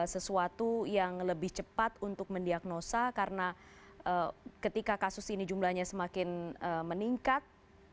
sesuatu yang lebih cepat untuk mendiagnosa karena ketika kasus ini jumlahnya semakin meningkat